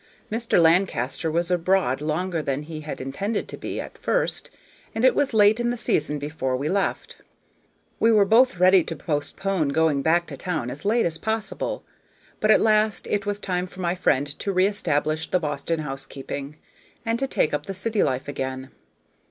Mr. Lancaster was abroad longer than he had intended to be at first, and it was late in the season before we left. We were both ready to postpone going back to town as late as possible; but at last it was time for my friend to re establish the Boston housekeeping, and to take up the city life again.